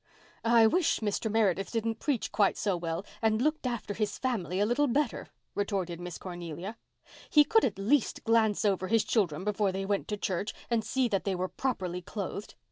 "I wish Mr. Meredith didn't preach quite so well and looked after his family a little better," retorted Miss Cornelia. "He could at least glance over his children before they went to church and see that they were quite properly clothed.